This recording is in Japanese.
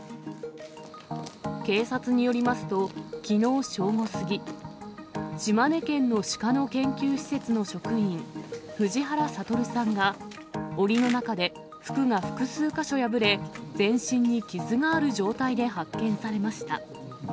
警察によりますと、きのう正午過ぎ、島根県のシカの研究施設の職員、藤原悟さんが、おりの中で服が複数箇所破れ、全身に傷がある状態で発見されました。